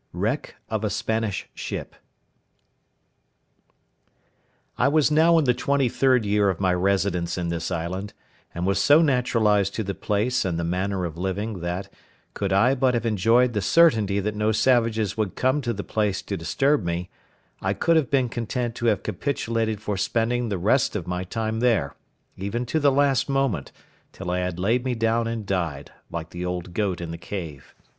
WRECK OF A SPANISH SHIP I was now in the twenty third year of my residence in this island, and was so naturalised to the place and the manner of living, that, could I but have enjoyed the certainty that no savages would come to the place to disturb me, I could have been content to have capitulated for spending the rest of my time there, even to the last moment, till I had laid me down and died, like the old goat in the cave.